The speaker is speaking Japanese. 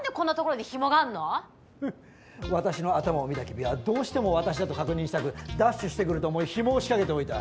私の頭を見た君はどうしても私だと確認したくダッシュしてくると思い紐を仕掛けておいた。